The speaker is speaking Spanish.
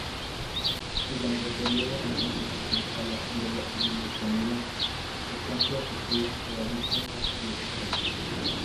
Durante el periodo antecedente a la Guerra Civil Española, el templo sufrió gravísimos destrozos.